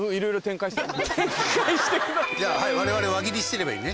じゃあはいわれわれ輪切りしてればいいね。